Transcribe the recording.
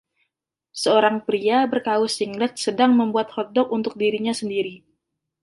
Seorang pria berkaus singlet sedang membuat hotdog untuk dirinya sendiri.